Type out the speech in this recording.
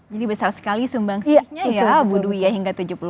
jadi besar sekali sumbangsihnya ya bu duya hingga tujuh puluh